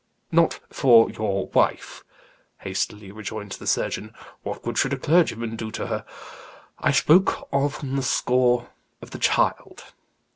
"Not for your wife," hastily rejoined the surgeon "what good should a clergyman do to her? I spoke on the score of the child.